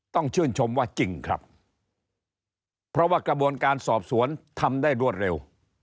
ต้องชื่นชมว่าจริงครับเพราะว่ากระบวนการสอบสวนทำได้รวดเร็ว